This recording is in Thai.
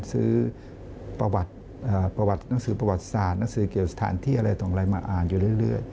ซื้อประวัติหนังสือประวัติศาสตร์หนังสือเกี่ยวสถานที่อะไรต่ออะไรมาอ่านอยู่เรื่อย